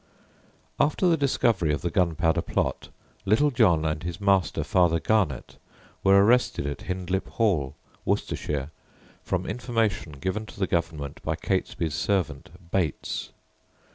After the discovery of the Gunpowder Plot, "Little John" and his master, Father Garnet, were arrested at Hindlip Hall, Worcestershire, from information given to the Government by Catesby's servant Bates.